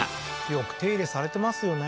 よく手入れされてますよね